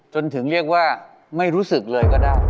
จนถึงเรียกว่าไม่รู้สึกเลยก็ได้